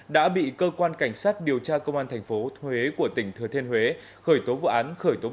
đã bị cơ quan cảnh sát điều tra công an thành phố huế của tỉnh thừa thiên huế khởi tố vụ án khởi tố